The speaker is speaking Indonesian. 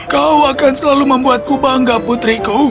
kau akan selalu membuatku bangga putriku